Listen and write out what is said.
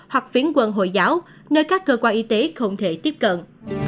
hoặc phiến quân hồi giáo nơi các cơ quan y tế không thể tiếp cận